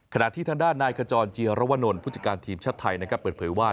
ขณะที่ทางด้านนายขจรเจียรวนลผู้จัดการทีมชาติไทยนะครับเปิดเผยว่า